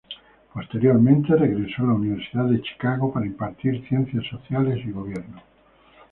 Posteriormente, regresó a la Universidad de Chicago para impartir Ciencias Sociales y Gobierno.